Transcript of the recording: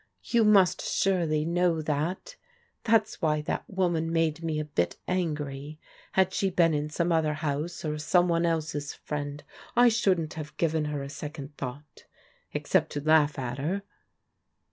You must surely know that. That's why that woman made me a bit angry. Had she been in some other house or some one else's friend, I shouldn't have given her a second thought, — except to laugh at her."